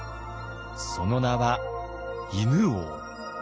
その名は犬王。